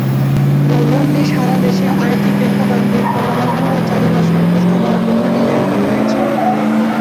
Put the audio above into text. প্রোগ্রামটি সারা দেশে আইটি পেশাদারদের ক্রমবর্ধমান চাহিদা সন্তুষ্ট করার জন্য ডিজাইন করা হয়েছে।